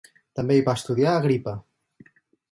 També hi va estudiar Agripa.